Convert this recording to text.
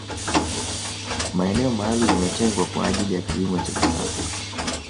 maeneo maalum yametengwa kwa ajili ya kilimo cha kisasa